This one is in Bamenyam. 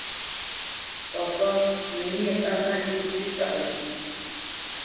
Papá: Mə níe pə̂ mâsə̂ tíí tâʼ zhʉ̌ʼ.